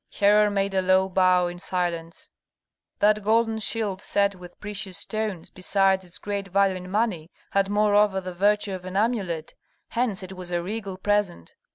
Herhor made a low bow in silence. That golden shield set with precious stones, besides its great value in money, had moreover the virtue of an amulet; hence it was a regal present.